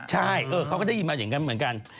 ใช่เขาก็ได้ยินมาอย่างนั้นเหมือนกัน